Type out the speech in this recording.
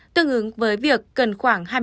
tương ứng với việc cần khoảng